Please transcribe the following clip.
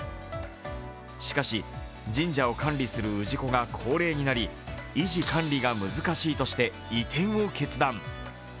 しかし、神社を管理する氏子が高齢になり維持管理が難しいとして移転を決断。